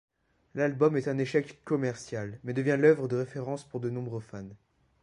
L'album est un échec commercial mais devient l'œuvre de référence pour de nombreux fans.